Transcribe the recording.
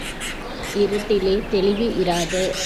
இருட்டிலே தெளிவு இராது.